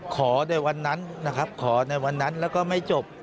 ในวันนั้นนะครับขอในวันนั้นแล้วก็ไม่จบ